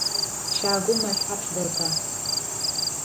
Щагум мэл тхьапш дэта?